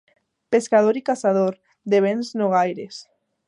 Pescador i caçador, de béns no gaires.